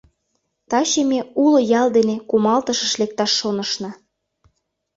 Таче ме уло ял дене кумалтышыш лекташ шонышна.